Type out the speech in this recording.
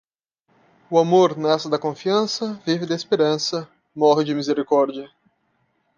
O amor nasce da confiança, vive da esperança, morre de misericórdia.